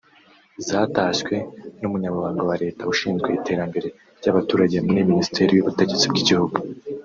zatashywe n’umunyamabanga wa Leta ushinzwe iterambere ry’abaturage mu Minisiteri y’Ubutegetsi bw’igihugu